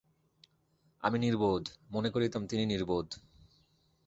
আমি নির্বোধ, মনে করিতাম তিনি নির্বোধ।